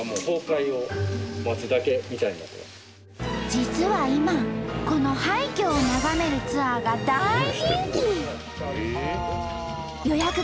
実は今この廃虚を眺めるツアーが大人気！